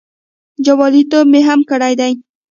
جوالیتوب مې هم کړی دی.